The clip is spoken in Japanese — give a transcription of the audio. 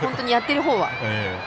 やってるほうは。